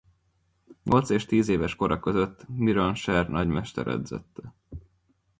Nyolc és tízéves kora között Miron Sher nagymester edzette.